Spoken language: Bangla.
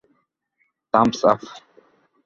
Thumbs up!